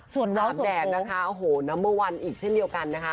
ส่วนความแดดนะคะโอ้โหนัมเบอร์วันอีกเช่นเดียวกันนะคะ